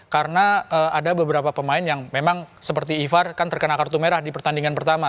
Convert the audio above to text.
karena ada beberapa pemain yang memang seperti ivar kan terkena kartu merah di pertandingan pertama